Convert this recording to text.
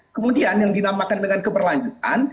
kemudian yang dinamakan dengan keberlanjutan